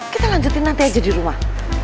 kita lanjutin nanti aja di rumah